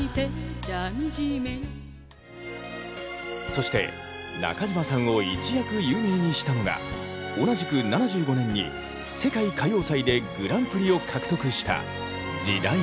そして中島さんを一躍有名にしたのが同じく７５年に世界歌謡祭でグランプリを獲得した「時代」です。